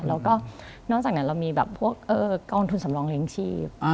แล้วก็นอกจากนั้นเรามีแบบพวกกองทุนสำรองเลี้ยงชีพ